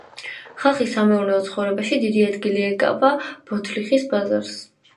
ხალხის სამეურნეო ცხოვრებაში დიდი ადგილი ეკავა ბოთლიხის ბაზარს.